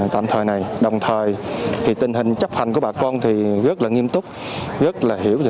tạm thời này đồng thời thì tình hình chấp hành của bà con thì rất là nghiêm túc rất là hiểu